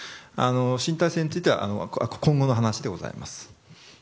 新体制については今後の話でございます。